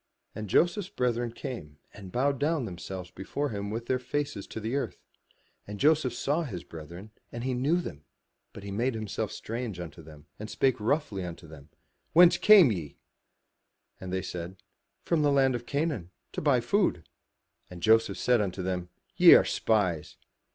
And Joseph's brethren came, and bowed down themselves before him with their faces to the earth. And Joseph saw his brethren, and he knew them, but made himself strange unto them, and spake roughly unto them, "Whence come ye?'* And they said, "From the land of Canaan to buy food." And Joseph said unto them, "Ye are spies.